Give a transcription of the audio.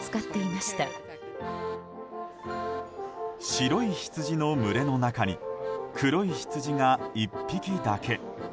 白いヒツジの群れの中に黒いヒツジが１匹だけ。